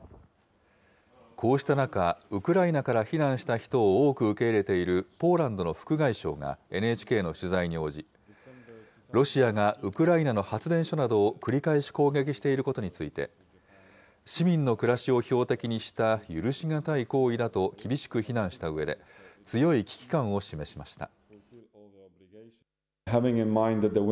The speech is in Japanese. こうした中、ウクライナから避難した人を多く受け入れているポーランドの副外相がＮＨＫの取材に応じ、ロシアがウクライナの発電所などを繰り返し攻撃していることについて、市民の暮らしを標的にした許しがたい行為だと厳しく非難したうえで、強い危機感を示しました。